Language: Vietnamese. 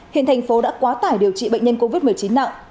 hiện thành phố đã quá tải điều trị bệnh nhân covid một mươi chín nặng